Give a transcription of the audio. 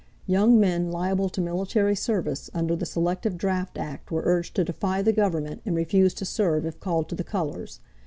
Young men liable to military service under the selective draft act were urged to defy the Government and refuse to serve if called to the colors.